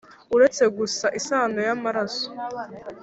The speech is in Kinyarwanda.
uretse gusa isano y'amaraso!